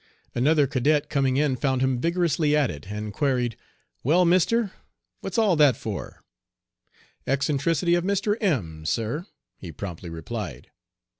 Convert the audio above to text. Another cadet coming in found him vigorously at it, and queried, "Well, mister, what's all that for?" "Eccentricity of Mr. M , sir," he promptly replied.